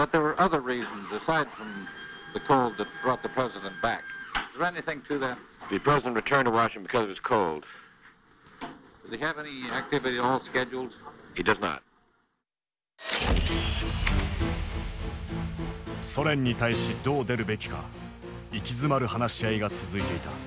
ソ連に対しどう出るべきか息詰まる話し合いが続いていた。